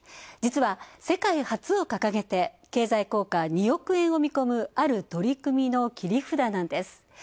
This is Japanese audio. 実は、世界初を掲げて経済効果、２億円を見込む、ある取り組みの切り札なんです。